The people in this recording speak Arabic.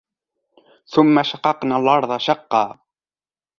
ثُمَّ شَقَقْنَا الأَرْضَ شَقًّا